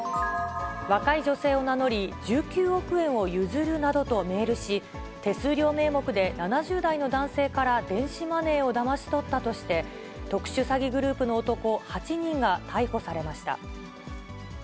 若い女性を名乗り、１９億円を譲るなどとメールし、手数料名目で７０代の男性から電子マネーをだまし取ったとして、特殊詐欺グループの男８人が逮捕されました。